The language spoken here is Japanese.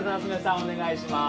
お願いします